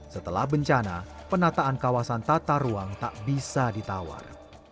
setelah bencana penataan kawasan tata ruang tak bisa ditawar